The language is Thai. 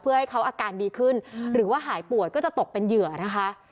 เพื่อให้เขาอาการดีขึ้นหรือว่าหายป่วยก็จะตกเป็นเหยื่อนะคะ